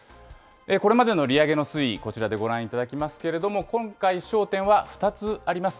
これまでの利上げの推移、こちらでご覧いただきますけれども、２つ。